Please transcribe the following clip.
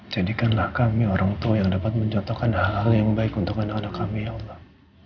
jadikanlah kami orang tua yang dapat mencotokkan hal hal yang baik untuk anak anak kami ya allah